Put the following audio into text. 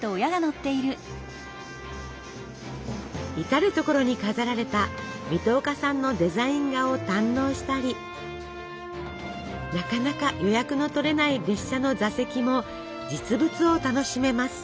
至る所に飾られた水戸岡さんのデザイン画を堪能したりなかなか予約の取れない列車の座席も実物を楽しめます。